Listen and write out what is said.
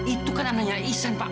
itu kan anaknya ihsan pak